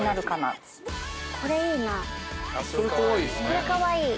これかわいい！